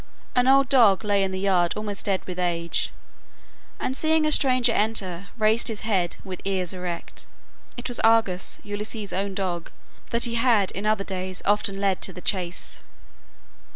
An old dog lay in the yard almost dead with age, and seeing a stranger enter, raised his head, with ears erect. It was Argus, Ulysses' own dog, that he had in other days often led to the chase.